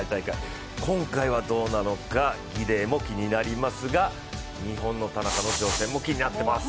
今回はどうなのか、リレーも気になりますが日本の挑戦も気になっています。